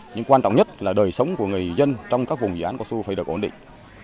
nhưng quan trọng nhất là đời sống của người dân trong các vùng dự án cao su phải được ổn định